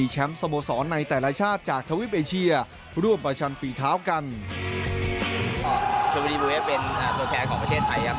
ชมบุรีบูเวฟเป็นตัวแทนของประเทศไทยครับ